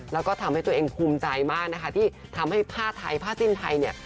แล้วก็ทำให้ตัวเองภูมิใจมากนะคะที่ทำให้ผ้าไทยผ้าสิ้นไทยเนี่ย